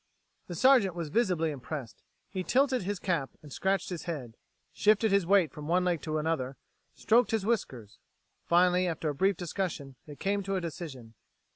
The Sergeant was visibly impressed. He tilted his cap and scratched his head; shifted his weight from one leg to another; stroked his whiskers. Finally, after a brief discussion, they came to a decision.